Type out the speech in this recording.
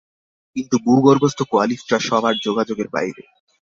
কিন্তু ভূগর্ভস্থ কোয়ালিস্টরা সবার যোগাযোগের বাইরে।